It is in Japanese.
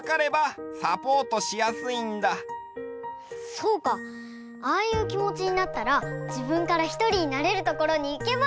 そうかああいうきもちになったらじぶんからひとりになれるところにいけばいいのかも。